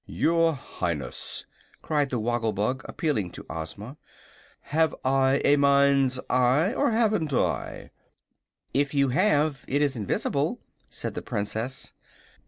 "Your Highness," cried the Woggle Bug, appealing to Ozma, "have I a mind's eye, or haven't I?" "If you have, it is invisible," said the Princess.